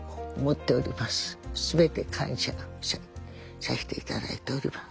全て感謝させていただいております。